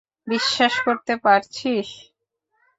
বিশ্বাস করতে পারছিস?